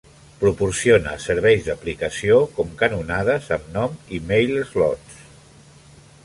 Proporciona serveis d'aplicació com canonades amb nom i MailSlots.